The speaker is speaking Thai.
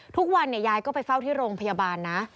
ทุกวันยายก็ไปเฝ้าที่โรงพยาบาลนะ